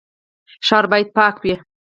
ښار باید پاک وي